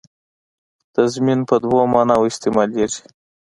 تضمین په دوو معناوو استعمالېږي.